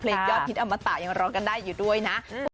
ยอดฮิตอมตะยังรอกันได้อยู่ด้วยนะ